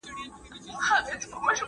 دا خاوره د لفغانستان